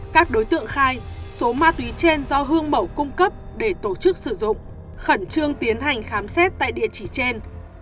các đối tượng khai số ma túy trên do hương mẩu cung cấp để tổ chức sử dụng khẩn trương tiến hành khám xét tại địa chỉ trên